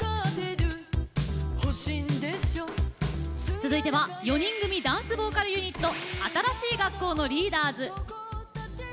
続いては４人組ダンスボーカルユニット新しい学校のリーダーズ。